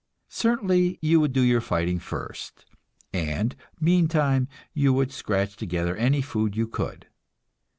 Certainly you would do your fighting first, and meantime you would scratch together any food you could.